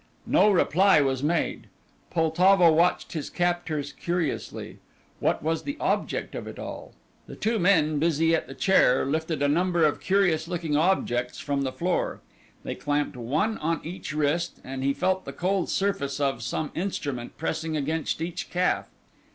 No reply was made. Poltavo watched his captors curiously. What was the object of it all? The two men busy at the chair lifted a number of curious looking objects from the floor; they clamped one on each wrist, and he felt the cold surface of some instrument pressing against each calf.